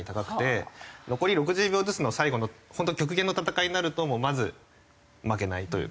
残り６０秒ずつの最後のホント極限の戦いになるとまず負けないというか。